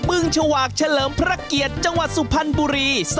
ึงฉวากเฉลิมพระเกียรติจังหวัดสุพรรณบุรี